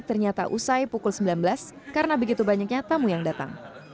dan pukul sembilan belas karena begitu banyaknya tamu yang datang